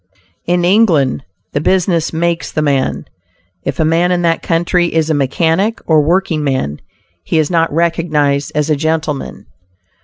"In England, the business makes the man." If a man in that country is a mechanic or working man, he is not recognized as a gentleman.